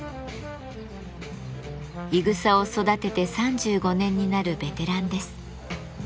いぐさを育てて３５年になるベテランです。